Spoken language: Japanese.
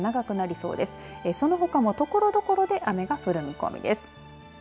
そのほかもところどころで雨が降る見込みです。